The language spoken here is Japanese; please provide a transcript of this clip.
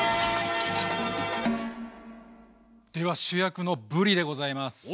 では主役のぶりでございます！